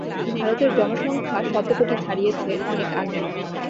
ভারতের জনসংখ্যা শত কোটি ছাড়িয়েছে অনেক আগে।